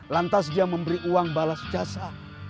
lantas dia memberi uang balas jasa